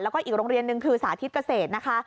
แล้วก็อีกโรงเรียนหนึ่งคือสาธิตเกษตรนะคะ